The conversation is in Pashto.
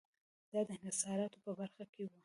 دا د انحصاراتو په برخه کې و.